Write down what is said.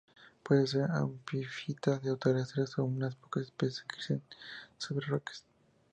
Pueden ser epífitas o terrestres, y unas pocas especies crecen sobre rocas.